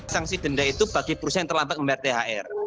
sanksi denda itu bagi perusahaan yang terlambat membayar thr